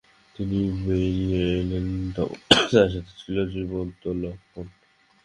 তিনি বেরিয়ে এলেন, তখন তাঁর সাথে ছিল জীবিত লখন।